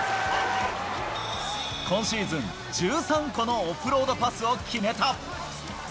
今シーズン１３個のオフロードパスを決めた。